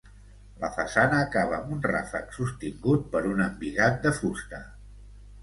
La façana acaba amb un ràfec sostingut per un embigat de fusta.